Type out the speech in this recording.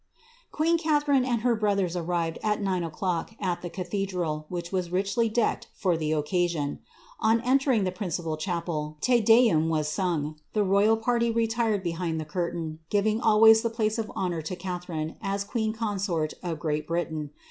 leen Catharine and her brothers arrived, at nine o'clock, at the ca al, which was richly decked for the occasion. On entering the ipal chapel, Te Deum was sung. The royal party retired behind urtain, giving always the place of honour to Catharine, as queen >rt of Great Britain.